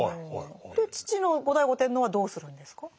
父の後醍醐天皇はどうするんですか？